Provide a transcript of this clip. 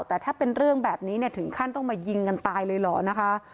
แต่ถ้าเป็นเรื่องแบบนี้เนี่ยถึงขั้นต้องมายิงกันตายเลยเหรอนะคะ